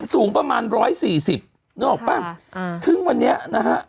สูงประมาณ๑๔๐นึกออกป่ะถึงวันนี้นะฮะ